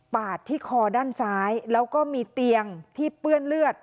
ที่คอด้านซ้ายแล้วก็มีเตียงที่เปื้อนเลือด